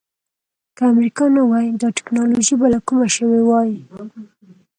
که امریکا نه وای دا ټکنالوجي به له کومه شوې وای.